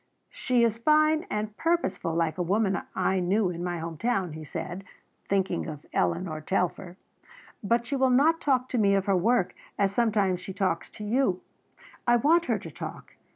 "She is fine and purposeful like a woman I knew in my home town," he said, thinking of Eleanor Telfer, "but she will not talk to me of her work as sometimes she talks to you. I want her to talk.